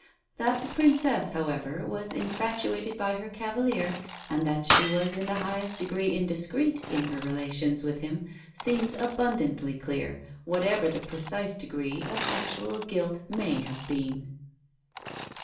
That the Princess, however, was infatuated by her cavalier, and that she was in the highest degree indiscreet in her relations with him, seems abundantly clear, whatever the precise degree of actual guilt may have been.